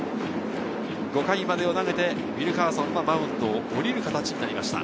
５回までを投げてウィルカーソンはマウンドを降りる形になりました。